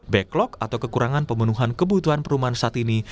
backlog atau kekurangan pemenuhan kebutuhan perumahan saat ini